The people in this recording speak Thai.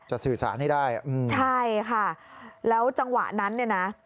สื่อสารให้ได้อืมใช่ค่ะแล้วจังหวะนั้นเนี่ยนะ